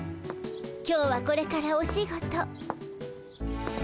今日はこれからお仕事。